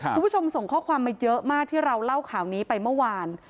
คุณผู้ชมส่งข้อความมาเยอะมากที่เราเล่าข่าวนี้ไปเมื่อวาน